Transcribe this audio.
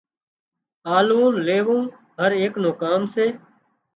آللون ليوون هر ايڪ نُون ڪام سي